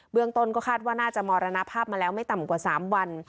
เรื่องต้นก็คาดว่าน่าจะมรณภาพมาแล้วไม่ต่ำกว่า๓วัน